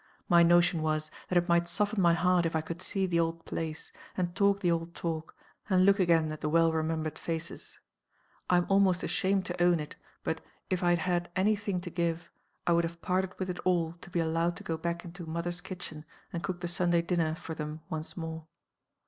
My notion was, that it might soften my heart if I could see the old place, and talk the old talk, and look again at the well remembered faces. I am almost ashamed to own it but, if I had had any thing to give, I would have parted with it all, to be allowed to go back into mother's kitchen and cook the Sunday dinner for them once more.